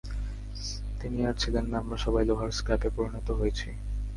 তিনি আর ছিলেন না, আমরা সবাই লোহার স্ক্র্যাপে পরিণত হয়েছি।